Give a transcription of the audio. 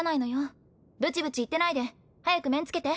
ぶちぶち言ってないで早く面つけて。